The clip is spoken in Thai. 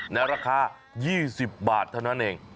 ในราคา๒๐บาทเท่านั้นเอง